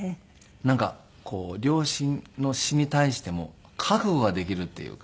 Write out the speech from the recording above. なんか両親の死に対しても覚悟ができるっていうか。